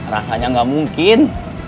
rasanya gak mungkin